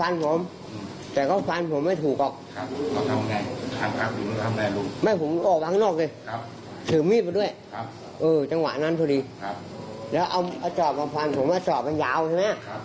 แล้วเอาจอบมาฟันผมว่าจอบมันยาวใช่ไหม